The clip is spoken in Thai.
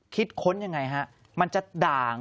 ค้นยังไงฮะมันจะด่าง